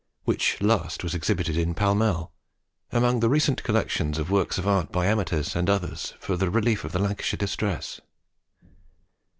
which last was exhibited in Pall Mail, among the recent collection of works of Art by amateurs and others, for relief of the Lancashire distress.